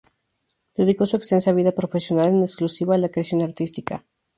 Dedicó su extensa vida profesional en exclusiva a la creación artística.